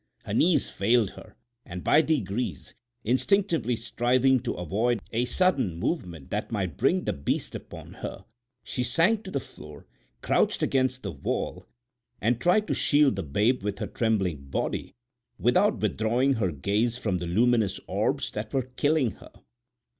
Her knees failed her, and by degrees, instinctively striving to avoid a sudden movement that might bring the beast upon her, she sank to the floor, crouched against the wall and tried to shield the babe with her trembling body without withdrawing her gaze from the luminous orbs that were killing her.